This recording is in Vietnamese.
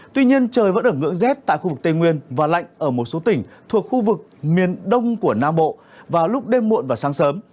tuy nhiên trời vẫn ở ngưỡng rét tại khu vực tây nguyên và lạnh ở một số tỉnh thuộc khu vực miền đông của nam bộ vào lúc đêm muộn và sáng sớm